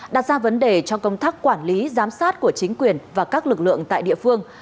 đặt ra vấn đề cho công tác quản lý giám sát của chính quyền và các lực lượng tại địa phương